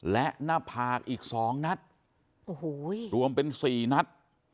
และหน้าผากอีก๒นัดโอ้โหรวมเป็น๔นัด